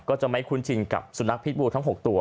ก็จะไม่คุ้นชินกับสุนัขพิษบูทั้ง๖ตัว